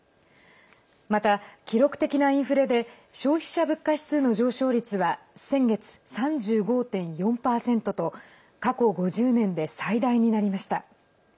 また、記録的なインフレで消費者物価指数の上昇率は先月３５．４％と過去５０年で最大になりました。